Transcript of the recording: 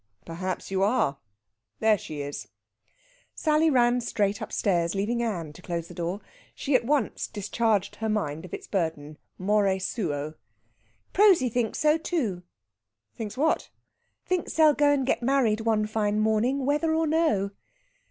"Perhaps you are. There she is." Sally ran straight upstairs, leaving Ann to close the door. She at once discharged her mind of its burden, more suo. "Prosy thinks so, too!" "Thinks what?" "Thinks they'll go and get married one fine morning, whether or no!"